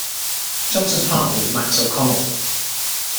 Johnson's partner was Max O'Connell.